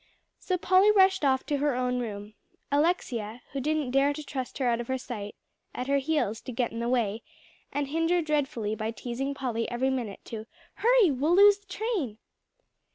So Polly rushed off to her own room; Alexia, who didn't dare to trust her out of her sight, at her heels, to get in the way, and hinder dreadfully by teasing Polly every minute to "hurry we'll lose the train."